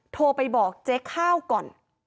โทรไปบอกเจ๊ข้าวก่อน